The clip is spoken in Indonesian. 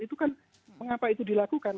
itu kan mengapa itu dilakukan